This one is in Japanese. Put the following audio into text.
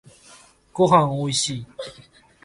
ごはんおいしい